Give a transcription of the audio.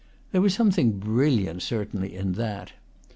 There was something brilliant, certainly, in that.